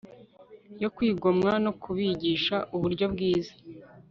yo kwigomwa no kubigisha uburyo bwiza